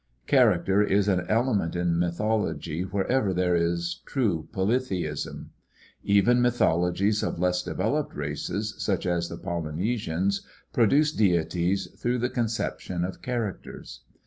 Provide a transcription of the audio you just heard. Character is an element in mythology wherever there is true polytheism. Even mythologies of less developed races such as the Polynesians pro duce deities through the conception of characters.